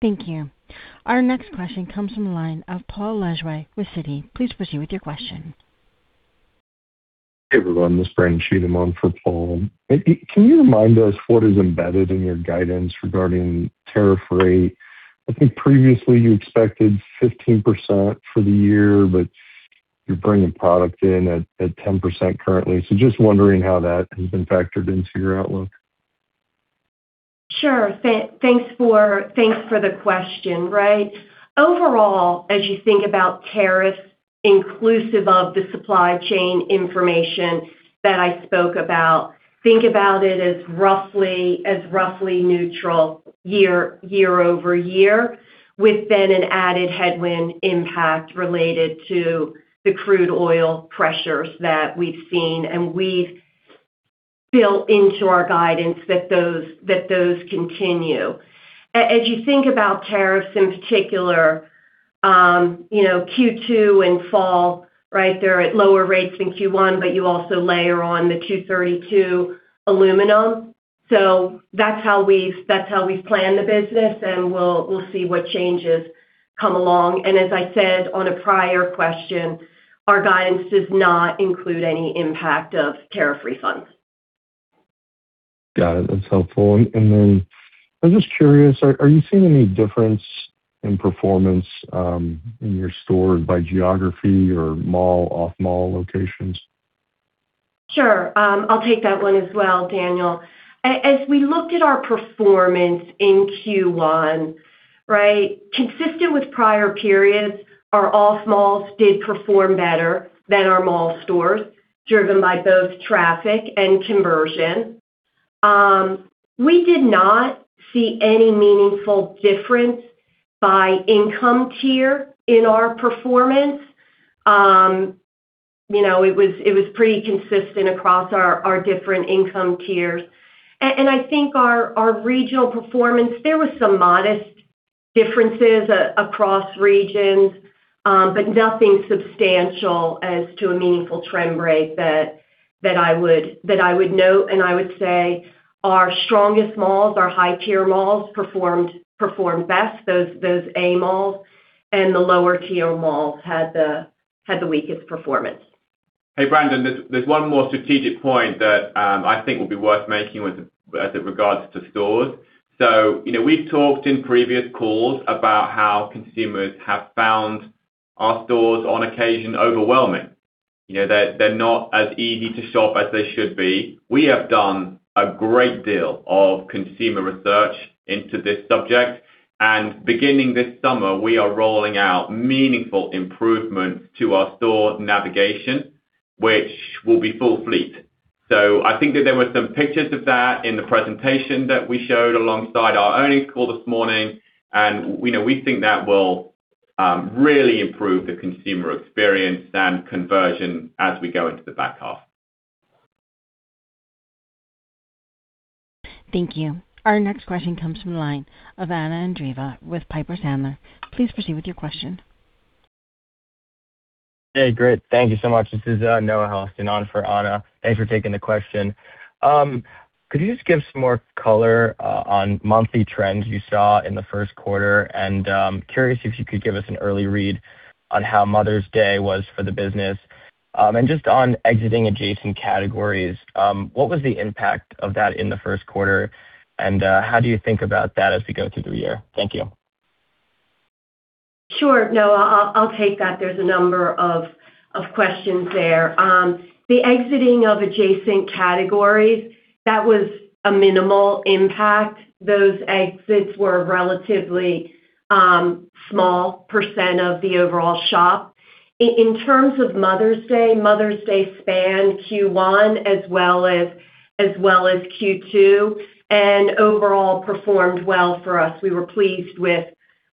Speaker 1: Thank you. Our next question comes from the line of Paul Lejuez with Citi. Please proceed with your question.
Speaker 9: Hey, everyone, this is Brandon Cheatham on for Paul. Can you remind us what is embedded in your guidance regarding tariff rate? I think previously you expected 15% for the year, but you're bringing product in at 10% currently. Just wondering how that has been factored into your outlook.
Speaker 4: Sure. Thanks for the question. Overall, as you think about tariffs inclusive of the supply chain information that I spoke about, think about it as roughly neutral year-over-year with then an added headwind impact related to the crude oil pressures that we've seen. We've built into our guidance that those continue. As you think about tariffs in particular, Q2 and fall, they're at lower rates than Q1, you also layer on the Section 232 aluminum. That's how we've planned the business, and we'll see what changes come along. As I said on a prior question, our guidance does not include any impact of tariff refunds.
Speaker 9: Got it. That's helpful. I was just curious, are you seeing any difference in performance in your stores by geography or mall, off-mall locations?
Speaker 4: Sure. I'll take that one as well, Daniel. As we looked at our performance in Q1, consistent with prior periods, our off-malls did perform better than our mall stores, driven by both traffic and conversion. We did not see any meaningful difference by income tier in our performance. It was pretty consistent across our different income tiers. I think our regional performance, there were some modest differences across regions, but nothing substantial as to a meaningful trend break that I would note. I would say our strongest malls, our high-tier malls, performed best, those A malls, and the lower-tier malls had the weakest performance.
Speaker 3: Hey, Brandon, there's one more strategic point that I think will be worth making with regards to stores. We've talked in previous calls about how consumers have found our stores on occasion overwhelming. They're not as easy to shop as they should be. We have done a great deal of consumer research into this subject, and beginning this summer, we are rolling out meaningful improvements to our store navigation, which will be full fleet. I think that there were some pictures of that in the presentation that we showed alongside our earnings call this morning, and we think that will really improve the consumer experience and conversion as we go into the back half.
Speaker 1: Thank you. Our next question comes from the line of Anna Andreeva with Piper Sandler. Please proceed with your question.
Speaker 10: Hey, great. Thank you so much. This is Noah Helfstein on for Anna. Thanks for taking the question. Could you just give some more color on monthly trends you saw in the first quarter? Curious if you could give us an early read on how Mother's Day was for the business? Just on exiting adjacent categories, what was the impact of that in the first quarter, and how do you think about that as we go through the year? Thank you.
Speaker 4: Sure. No, I'll take that. There's a number of questions there. The exiting of adjacent categories, that was a minimal impact. Those exits were a relatively small percent of the overall shop. In terms of Mother's Day, Mother's Day spanned Q1 as well as Q2. Overall performed well for us. We were pleased with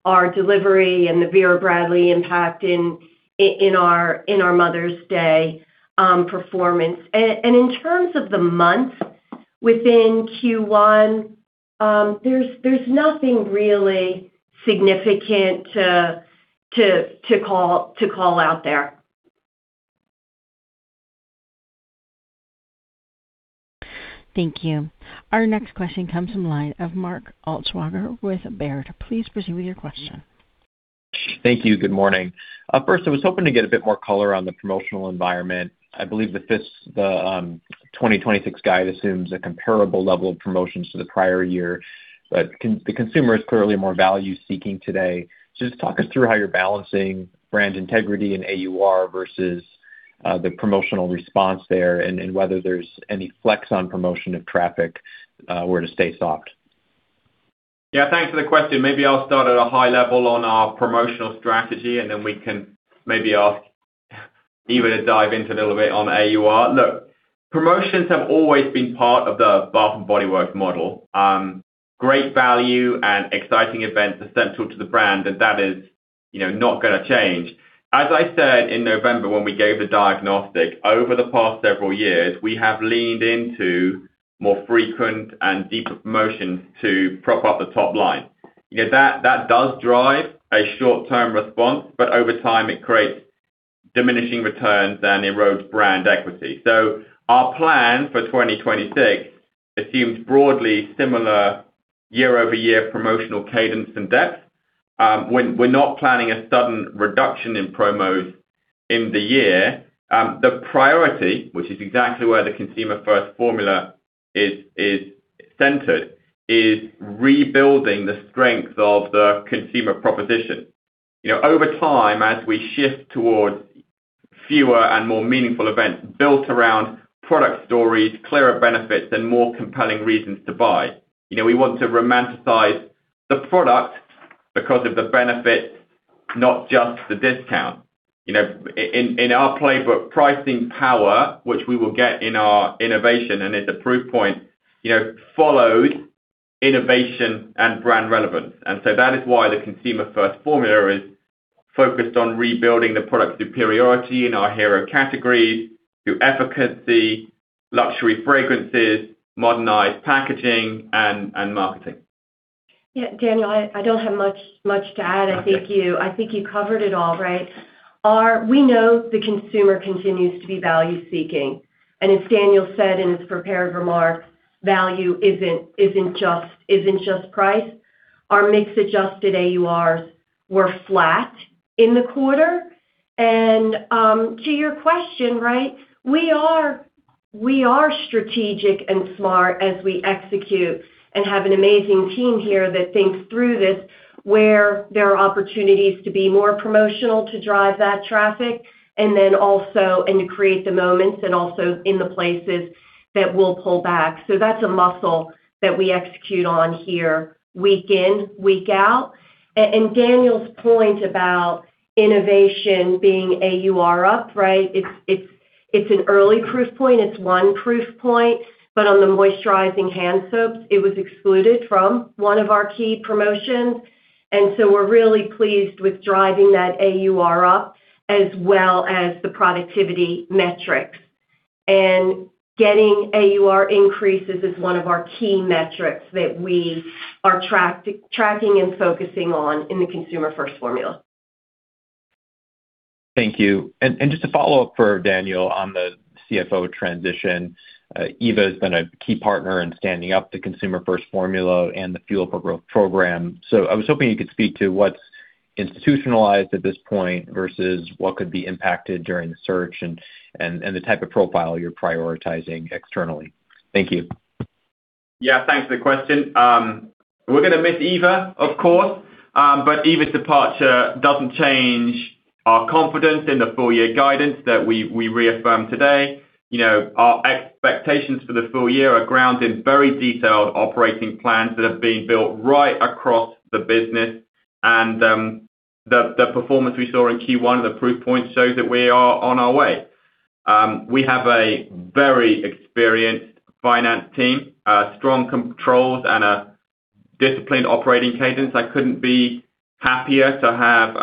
Speaker 4: our delivery and the Vera Bradley impact in our Mother's Day performance. In terms of the month within Q1, there's nothing really significant to call out there.
Speaker 1: Thank you. Our next question comes from the line of Mark Altschwager with Baird. Please proceed with your question.
Speaker 11: Thank you. Good morning. First, I was hoping to get a bit more color on the promotional environment. I believe the 2026 guide assumes a comparable level of promotions to the prior year, but the consumer is clearly more value-seeking today. Just talk us through how you're balancing brand integrity and AUR versus the promotional response there, and whether there's any flex on promotion of traffic were to stay soft.
Speaker 3: Thanks for the question. Maybe I'll start at a high level on our promotional strategy, and then we can maybe ask Eva to dive into a little bit on AUR. Look, promotions have always been part of the Bath & Body Works model. Great value and exciting events are central to the brand, and that is not going to change. As I said in November when we gave the diagnostic, over the past several years, we have leaned into more frequent and deeper promotions to prop up the top line. That does drive a short-term response, but over time, it creates diminishing returns and erodes brand equity. Our plan for 2026 assumes broadly similar year-over-year promotional cadence and depth. We're not planning a sudden reduction in promos in the year. The priority, which is exactly where the Consumer First Formula is centered, is rebuilding the strength of the consumer proposition over time, as we shift towards fewer and more meaningful events built around product stories, clearer benefits, and more compelling reasons to buy. We want to romanticize the product because of the benefit, not just the discount. In our playbook, pricing power, which we will get in our innovation and is a proof point, follows innovation and brand relevance. That is why the Consumer First Formula is focused on rebuilding the product superiority in our hero categories through efficacy, luxury fragrances, modernized packaging, and marketing.
Speaker 4: Yeah, Daniel, I don't have much to add.
Speaker 3: Okay.
Speaker 4: I think you covered it all, right? We know the consumer continues to be value-seeking. As Daniel said in his prepared remarks, value isn't just price. Our mix-adjusted AURs were flat in the quarter. To your question, we are strategic and smart as we execute and have an amazing team here that thinks through this, where there are opportunities to be more promotional to drive that traffic, and to create the moments, and also in the places that we'll pull back. That's a muscle that we execute on here week in, week out. Daniel's point about innovation being AUR up, it's an early proof point. It's one proof point, but on the moisturizing hand soaps, it was excluded from one of our key promotions. We're really pleased with driving that AUR up as well as the productivity metrics. Getting AUR increases is one of our key metrics that we are tracking and focusing on in the Consumer First Formula.
Speaker 11: Thank you. Just a follow-up for Daniel on the CFO transition. Eva has been a key partner in standing up the Consumer First Formula and the Fuel for Growth program. I was hoping you could speak to what's institutionalized at this point versus what could be impacted during the search and the type of profile you're prioritizing externally. Thank you.
Speaker 3: Yeah, thanks for the question. We're going to miss Eva, of course, but Eva's departure doesn't change our confidence in the full-year guidance that we reaffirmed today. Our expectations for the full year are grounded in very detailed operating plans that have been built right across the business. The performance we saw in Q1, the proof point shows that we are on our way. We have a very experienced finance team, strong controls, and a disciplined operating cadence. I couldn't be happier to have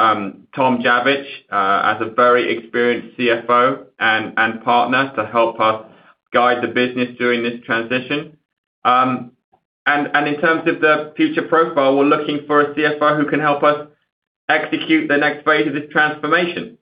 Speaker 3: Tom Javitch as a very experienced CFO and partner to help us guide the business during this transition. In terms of the future profile, we're looking for a CFO who can help us execute the next phase of this transformation.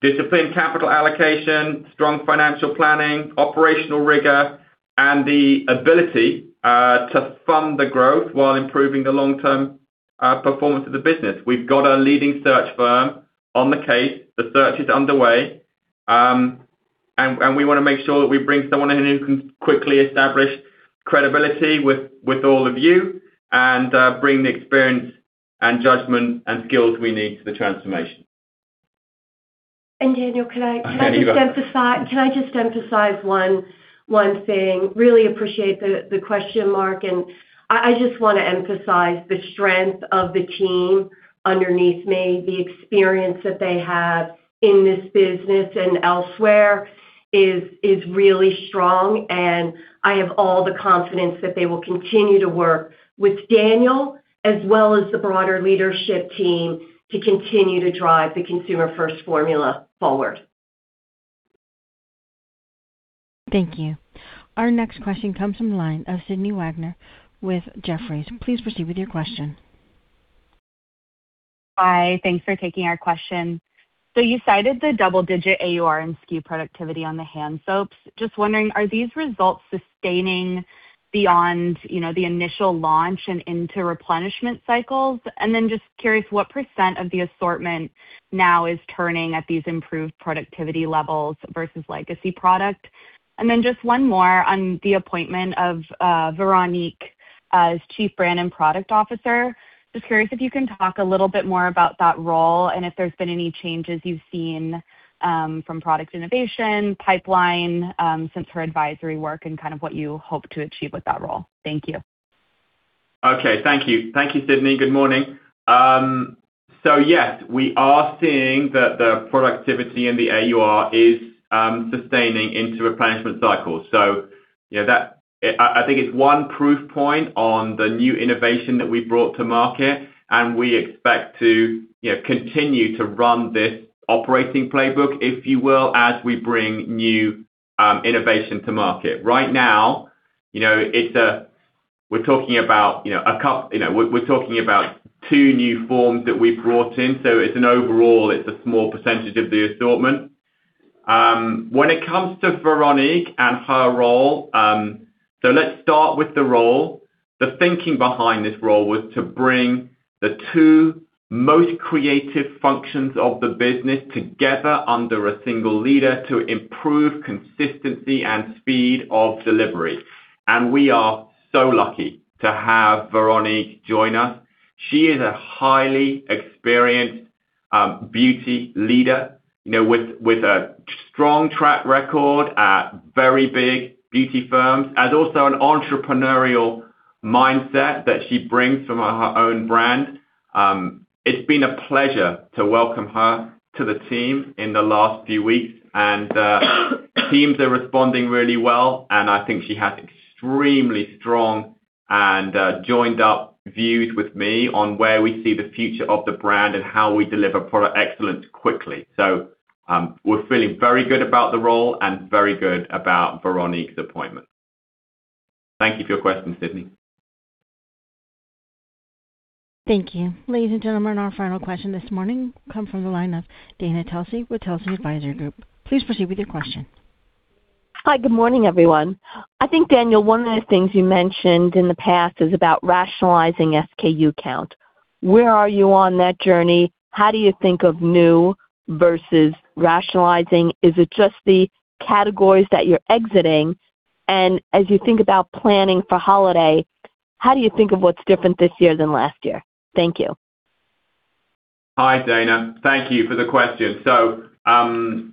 Speaker 3: Disciplined capital allocation, strong financial planning, operational rigor, and the ability to fund the growth while improving the long-term our performance of the business. We've got a leading search firm on the case. The search is underway. We want to make sure that we bring someone in who can quickly establish credibility with all of you and bring the experience and judgment and skills we need for the transformation.
Speaker 4: Daniel, can I just emphasize one thing? Really appreciate the question, Mark, and I just want to emphasize the strength of the team underneath me, the experience that they have in this business and elsewhere is really strong, and I have all the confidence that they will continue to work with Daniel as well as the broader leadership team to continue to drive the Consumer First Formula forward.
Speaker 1: Thank you. Our next question comes from the line of Sydney Wagner with Jefferies. Please proceed with your question.
Speaker 12: Hi. Thanks for taking our question. You cited the double-digit AUR and SKU productivity on the hand soaps. Just wondering, are these results sustaining beyond the initial launch and into replenishment cycles? Just curious what percent of the assortment now is turning at these improved productivity levels versus legacy product. Just one more on the appointment of Veronique as Chief Brand and Product Officer. Just curious if you can talk a little bit more about that role and if there's been any changes you've seen from product innovation pipeline since her advisory work and kind of what you hope to achieve with that role. Thank you.
Speaker 3: Okay. Thank you, Sydney. Good morning. Yes, we are seeing the productivity in the AUR is sustaining into replenishment cycles. I think it's one proof point on the new innovation that we brought to market, and we expect to continue to run this operating playbook, if you will, as we bring new innovation to market. Right now, we're talking about two new forms that we've brought in. It's an overall, it's a small percentage of the assortment. When it comes to Veronique and her role, so let's start with the role. The thinking behind this role was to bring the two most creative functions of the business together under a single leader to improve consistency and speed of delivery. We are so lucky to have Veronique join us. She is a highly experienced beauty leader, with a strong track record at very big beauty firms, and also an entrepreneurial mindset that she brings from her own brand. It's been a pleasure to welcome her to the team in the last few weeks. Teams are responding really well, and I think she has extremely strong and joined up views with me on where we see the future of the brand and how we deliver product excellence quickly. We're feeling very good about the role and very good about Veronique's appointment. Thank you for your question, Sydney.
Speaker 1: Thank you. Ladies and gentlemen, our final question this morning comes from the line of Dana Telsey with Telsey Advisory Group. Please proceed with your question.
Speaker 13: Hi, good morning, everyone. I think, Daniel, one of the things you mentioned in the past is about rationalizing SKU count. Where are you on that journey? How do you think of new versus rationalizing? Is it just the categories that you're exiting? As you think about planning for holiday, how do you think of what's different this year than last year? Thank you.
Speaker 3: Hi, Dana. Thank you for the question. Rationalizing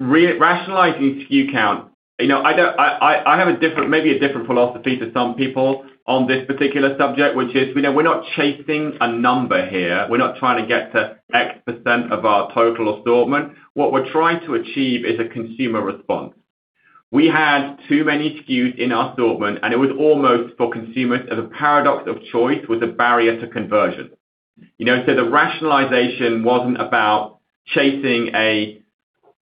Speaker 3: SKU count, I have maybe a different philosophy to some people on this particular subject, which is, we're not chasing a number here. We're not trying to get to X% of our total assortment. What we're trying to achieve is a consumer response. We had too many SKUs in our assortment, and it was almost for consumers as a paradox of choice with a barrier to conversion. The rationalization wasn't about chasing a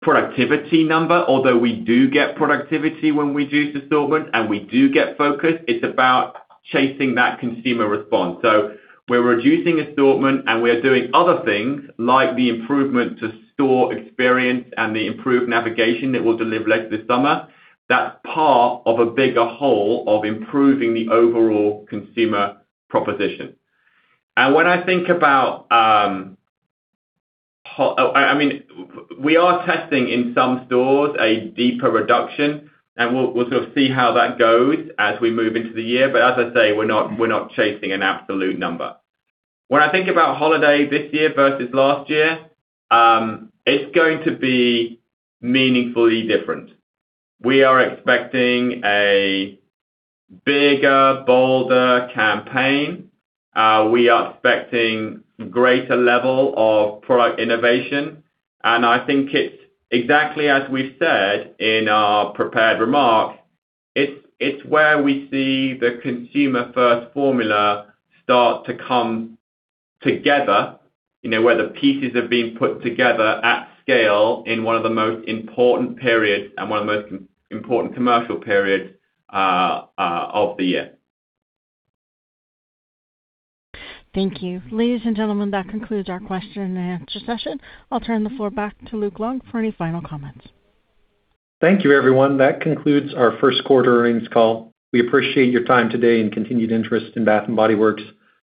Speaker 3: productivity number, although we do get productivity when we reduce assortment and we do get focus. It's about chasing that consumer response. We're reducing assortment and we're doing other things like the improvement to store experience and the improved navigation that we'll deliver later this summer. That's part of a bigger whole of improving the overall consumer proposition. We are testing in some stores a deeper reduction, and we'll sort of see how that goes as we move into the year. As I say, we're not chasing an absolute number. When I think about holiday this year versus last year, it's going to be meaningfully different. We are expecting a bigger, bolder campaign. We are expecting greater level of product innovation. I think it's exactly as we've said in our prepared remarks, it's where we see the Consumer First Formula start to come together, where the pieces are being put together at scale in one of the most important periods and one of the most important commercial periods of the year.
Speaker 1: Thank you. Ladies and gentlemen, that concludes our question and answer session. I'll turn the floor back to Luke Long for any final comments.
Speaker 2: Thank you, everyone. That concludes our first quarter earnings call. We appreciate your time today and continued interest in Bath & Body Works.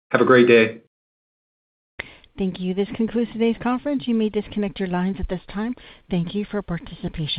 Speaker 2: Have a great day.
Speaker 1: Thank you. This concludes today's conference. You may disconnect your lines at this time. Thank you for participation.